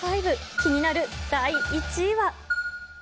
気になる第１位は。